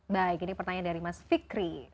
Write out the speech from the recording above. baik ini pertanyaan dari mas fikri